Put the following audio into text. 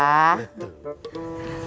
bukan begitu pak